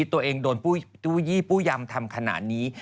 ตัวเองโดนตู้ยี่ปู้ยำทำขนาดนี้